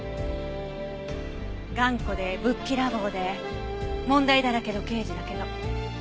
頑固でぶっきらぼうで問題だらけの刑事だけど。